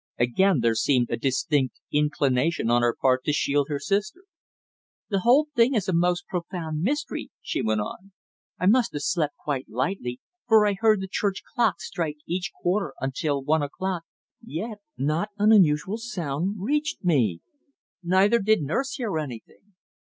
Again there seemed a distinct inclination on her part to shield her sister. "The whole thing is a most profound mystery," she went on. "I must have slept quite lightly, for I heard the church clock strike each quarter until one o'clock, yet not an unusual sound reached me. Neither did nurse hear anything."